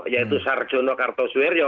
yaitu sarjono kartu suwirjo